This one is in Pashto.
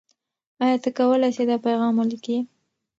آیا ته کولای سې دا پیغام ولیکې؟